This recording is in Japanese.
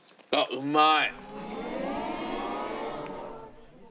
うまい！